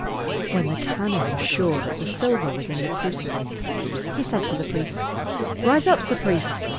When the canon was sure that the silver was in the crucible, he said to the priest, " Rise up, sir priest.